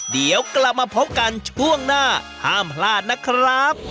เดี๋ยวกลับมาพบกันช่วงหน้าห้ามพลาดนะครับ